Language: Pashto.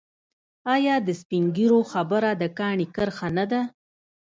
آیا د سپین ږیرو خبره د کاڼي کرښه نه ده؟